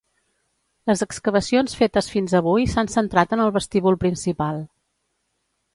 Les excavacions fetes fins avui s'han centrat en el vestíbul principal.